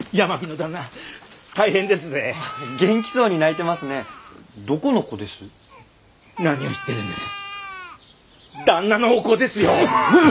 旦那のお子ですよ！